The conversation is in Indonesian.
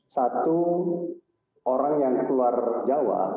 satu orang yang keluar jawa